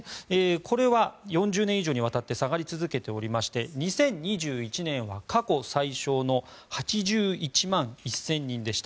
これは４０年以上にわたって下がり続けておりまして２０２１年は過去最少の８１万１０００人でした。